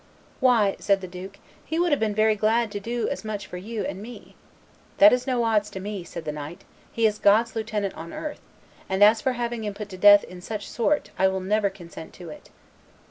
"Why," said the duke, "he would have been very glad to do as much for you and me." "That is no odds to me," said the knight; "he is God's lieutenant on earth, and, as for having him put to death in such sort, I will never consent to it."